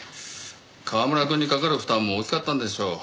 川村くんにかかる負担も大きかったんでしょう。